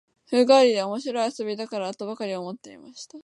風変わりで面白い遊びだから、とばかり思っていました